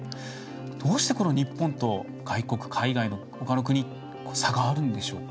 どうしてこの日本と外国海外のほかの国って差があるんでしょうか？